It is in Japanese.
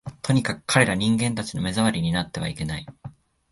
とにかく、彼等人間たちの目障りになってはいけない